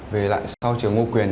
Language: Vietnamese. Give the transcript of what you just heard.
về lại sau trường ngô quyền